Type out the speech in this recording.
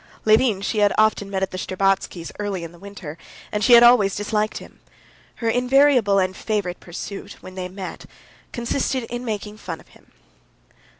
Levin she had often met at the Shtcherbatskys' early in the winter, and she had always disliked him. Her invariable and favorite pursuit, when they met, consisted in making fun of him.